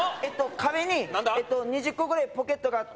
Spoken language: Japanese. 壁に２０個ぐらいポケットがあって